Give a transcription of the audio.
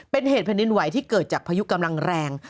เป็นเหตุแผ่นดินไหวที่เกิดจากพายุกำลังแรง